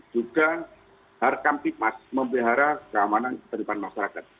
juga harkam tipas membehara keamanan terhadap masyarakat